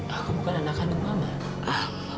aku bukan anak kandung mama